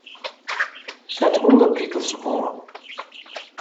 Set ûndertitels oan.